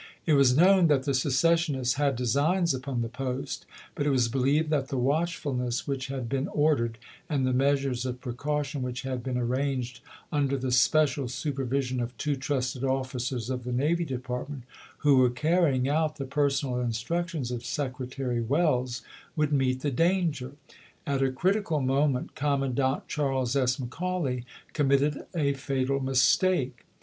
It was known that the secessionists had designs upon the post ; but it was believed that the watchfulness which had been ordered and the measures of precaution which had been arranged under the special supervision of two trusted officers of the Navy Department, who were carrying out the personal instructions of Secre tary Welles, would meet the danger. At a critical moment. Commandant Charles S. McCauley com mitted a fatal mistake.